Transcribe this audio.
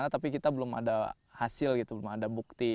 tapi kita belum ada hasil gitu belum ada bukti